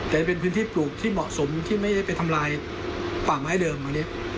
แต่เป็นพื้นที่ปลูกที่เหมาะสมที่ไม่ได้ไปทำลายป่าไม้เดิมอันนี้